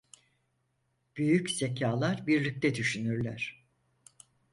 Büyük zekâlar birlikte düşünürler.